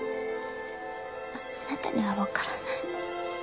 あなたにはわからない。